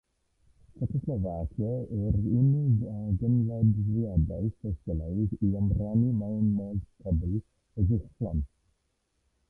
Tsiecoslofacia yw'r unig gyn-wladwriaeth sosialaidd i ymrannu mewn modd cwbl heddychlon.